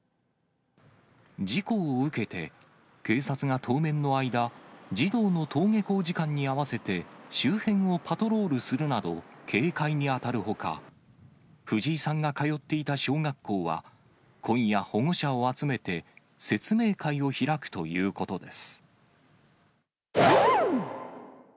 事故を受けて、警察が当面の間、児童の登下校時間に合わせて、周辺をパトロールするなど警戒に当たるほか、藤井さんが通っていた小学校は、今夜、保護者を集めて説明会を開くということです。